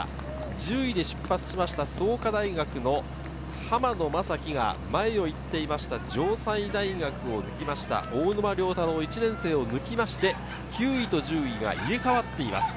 １０位で出発しました創価大学の濱野将基が前を行っていました、城西大学の大沼良太郎・１年生を抜きまして、９位と１０位が入れ替わっています。